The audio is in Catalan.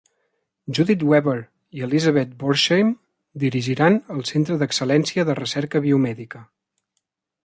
Judith Weber i Elisabet Borsheim dirigiran el Centre d'Excel·lència de Recerca Biomèdica.